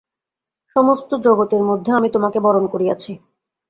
সমস্ত জগতের মধ্যে আমি তোমাকে বরণ করিয়াছি।